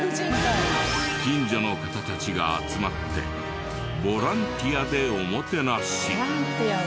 近所の方たちが集まってボランティアでおもてなし。